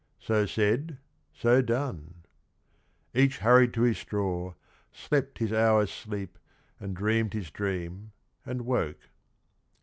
So said, so done; each hurried to his straw, Slept his hour's sleep and dreamed his dream, and woke.